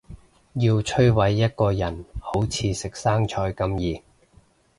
要摧毁一個人好似食生菜咁易